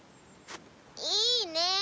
いいね。